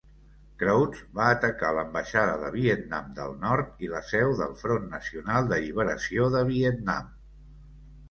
Crowds va atacar l"ambaixada de Vietnam del Nord i la seu del Front Nacional d"Alliberació de Vietnam.